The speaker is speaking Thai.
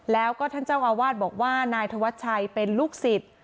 แล้วก็ท่านเจ้าอาวาสบอกว่านายธวัชชัยเป็นลูกศิษย์